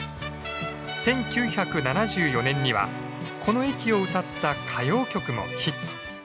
１９７４年にはこの駅を歌った歌謡曲もヒット。